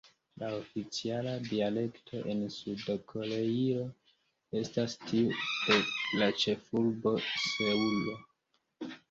La oficiala dialekto en Sud-Koreio estas tiu de la ĉefurbo Seulo.